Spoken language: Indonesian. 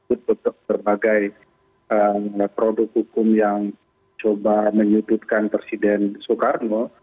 untuk berbagai produk hukum yang coba menyudutkan presiden soekarno